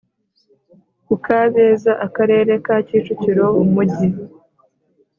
ku Kabeza Akarere ka Kicukiro Umujyi